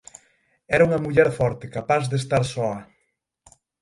Era unha muller forte, capaz de estar soa.